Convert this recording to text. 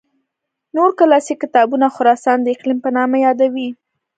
نور کلاسیک کتابونه خراسان د اقلیم په نامه یادوي.